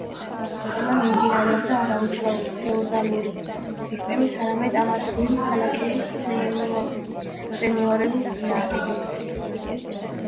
ბრძოლა მიმდინარეობდა არა უშალოდ ფეოდალური სისტემის, არამედ ამა თუ იმ ქალაქების სენიორების წინააღმდეგ.